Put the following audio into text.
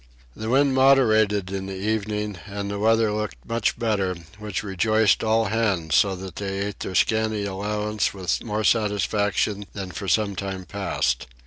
The wind moderated in the evening and the weather looked much better, which rejoiced all hands so that they ate their scanty allowance with more satisfaction than for some time past.